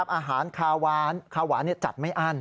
อาหารคาวานคาหวานจัดไม่อั้น